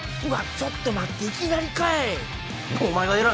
ちょっと待っていきなりかい！